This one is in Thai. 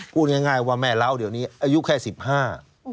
พูดง่ายว่าแม่เล้วเรียกนี้อายุแค่สิบห้า